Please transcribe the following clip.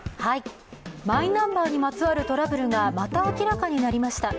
マイナンバーにまつわるトラブルがまた明らかになりました。